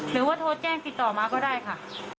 หรือว่าโทรแจ้งติดต่อมาก็ได้ค่ะ